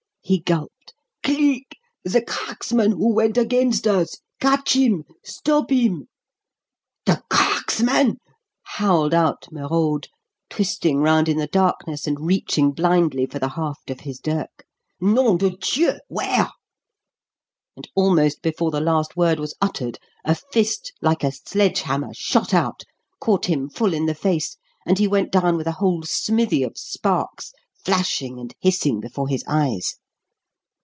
he gulped. "Cleek! the cracksman who went against us! Catch him! stop him!" "The cracksman!" howled out Merode, twisting round in the darkness and reaching blindly for the haft of his dirk. "Nom de Dieu! Where?" And almost before the last word was uttered a fist like a sledge hammer shot out, caught him full in the face, and he went down with a whole smithy of sparks flashing and hissing before his eyes.